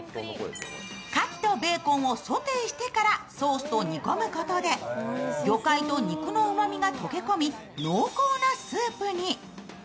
かきとベーコンをソテーしてからソースと煮込むことで魚介と肉のうまみが溶け込み、濃厚なスープに。